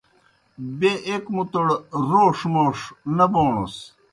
بیْہ ایْک مُتوْڑ روݜ موݜ نہ بوݨَس۔